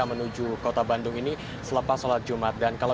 menuju kota bandung ini selepas sholat jumat